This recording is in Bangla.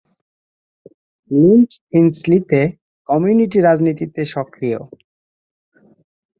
লিঞ্চ ফিঞ্চলিতে কমিউনিটি রাজনীতিতে সক্রিয়।